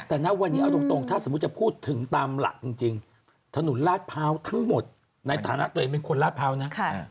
แต่ณวันนี้เอาตรงถ้าสมมุติจะพูดถึงตามหลักจริงถนนลาดพร้าวทั้งหมดในฐานะตัวเองเป็นคนลาดพร้าวนะ